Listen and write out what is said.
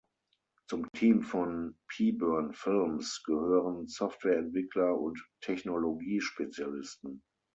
Zum Team von Pyburn Films gehören Softwareentwickler und Technologiespezialisten.